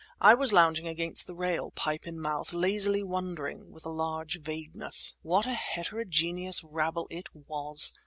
I was lounging against the rail, pipe in mouth, lazily wondering, with a large vagueness. What a heterogeneous rabble it was!